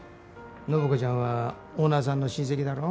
暢子ちゃんはオーナーさんの親戚だろ。